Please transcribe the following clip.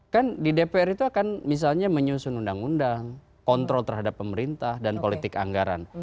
kan di dpr itu akan misalnya menyusun undang undang kontrol terhadap pemerintah dan politik anggaran